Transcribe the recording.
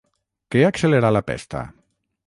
Què accelerà la pesta?